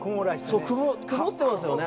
そう曇ってますよね。